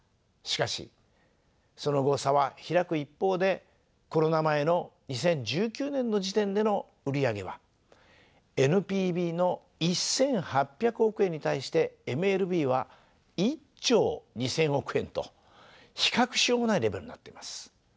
しかしその後差は開く一方でコロナ前の２０１９年の時点での売り上げはＮＰＢの１，８００億円に対してＭＬＢは１兆２，０００億円と比較しようもないレベルになっています。